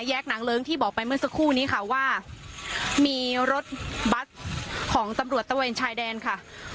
หนังเลิ้งที่บอกไปเมื่อสักครู่นี้ค่ะว่ามีรถบัสของตำรวจตะเวนชายแดนค่ะ